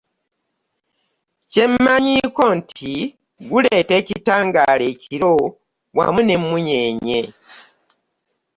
Kye manyi ko nti guleeta ekitaangala ekiro wammu ne munyenye.